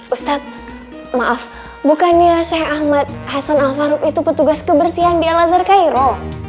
ustadz maaf bukannya saya ahmad hasan alfaru itu petugas kebersihan di al azhar cairo